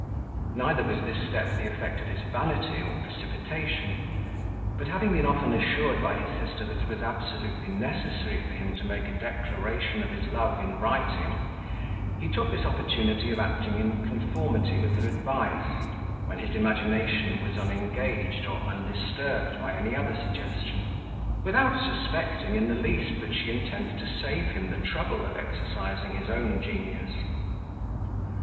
Neither was this step the effect of his vanity or precipitation; but having been often assured by his sister that it was absolutely necessary for him to make a declaration of his love in writing, he took this opportunity of acting in conformity with her advice, when his imagination was unengaged or undisturbed by any other suggestion, without suspecting in the least that she intended to save him the trouble of exercising his own genius.